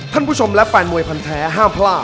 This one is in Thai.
ท่านผู้ชมและแฟนมวยพันแท้ห้ามพลาด